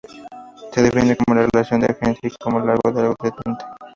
Se define como una relación de agencia y no como algo que uno "tiene".